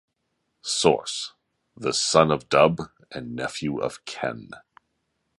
Source; the son of Dub and nephew of Ken.